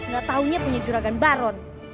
gak taunya punya juragan baron